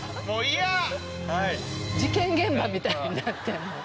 事件現場みたいになってる。